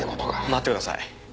待ってください。